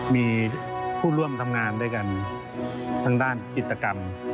มีผู้ร่วมทำงานด้วยกันทางด้านจิตกรรม